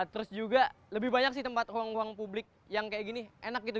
terus juga lebih banyak sih tempat ruang ruang publik yang kayak gini enak gitu